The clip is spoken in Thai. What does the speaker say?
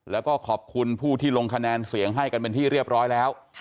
แล้วก็ขอบคุณผู้ที่ลงคะแนนเสียงให้กันเป็นที่เรียบร้อยแล้ว